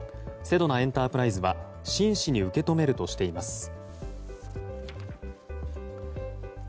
セドナエンタープライズは真摯に受け止めるとしています。